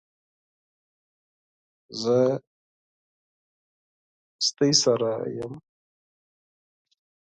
زه له تاسو سره یم.